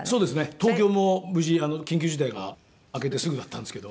東京も無事緊急事態が明けてすぐだったんですけど。